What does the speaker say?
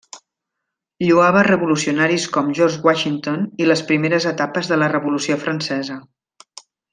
Lloava revolucionaris com George Washington i les primeres etapes de la Revolució Francesa.